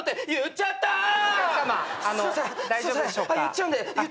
言っちゃったよ